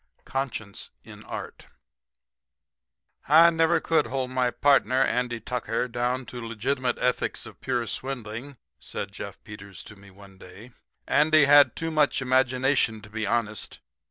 '" CONSCIENCE IN ART "I never could hold my partner, Andy Tucker, down to legitimate ethics of pure swindling," said Jeff Peters to me one day. "Andy had too much imagination to be honest.